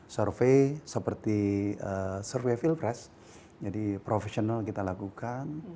survey seperti survey field press jadi profesional kita lakukan